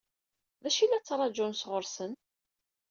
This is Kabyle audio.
D acu i la ttṛaǧun sɣur-sen?